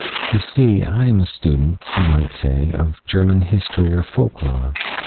"You see, I am a student, you might say, of German history or folklore.